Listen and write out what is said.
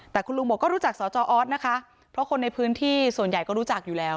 แต่คุณลุงบอกก็รู้จักสจออสนะคะเพราะคนในพื้นที่ส่วนใหญ่ก็รู้จักอยู่แล้ว